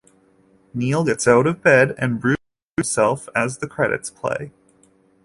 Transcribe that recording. Neil gets out of bed and busies himself as the credits play.